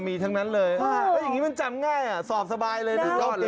มีทั้งนั้นเลยเห้ยอย่างนี้มันจำง่ายสอบสบายเลย